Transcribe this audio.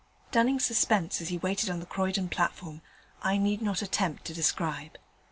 Dunning's suspense as he waited on the Croydon platform I need not attempt to describe.